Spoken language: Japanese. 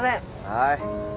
はい。